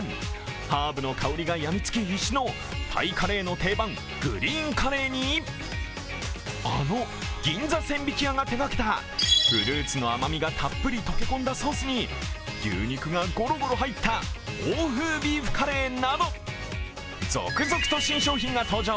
ハーブの香りが病みつき必至のタイカレーの定番グリーンカレーにあの銀座千疋屋が手がけたフルーツの甘みがたっぷり溶け込んだソースに牛肉がゴロゴロ入った欧風ビーフカレーなど続々と新商品が登場。